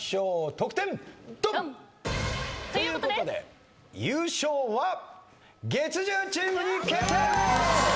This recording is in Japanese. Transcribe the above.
得点ドン！ということで優勝は月１０チームに決定！